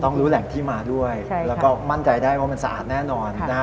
รู้แหล่งที่มาด้วยแล้วก็มั่นใจได้ว่ามันสะอาดแน่นอนนะฮะ